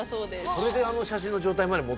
それであの写真の状態まで？